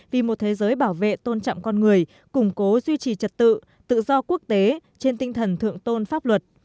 vì một thế giới bảo vệ tôn trọng con người củng cố duy trì trật tự tự do quốc tế trên tinh thần thượng tôn pháp luật